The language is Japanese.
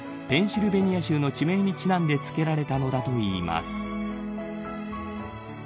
ペンシルベニア州の地名にちなんで付けられたのだといいます。